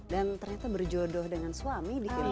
dan ternyata berjodoh dengan suami di film ini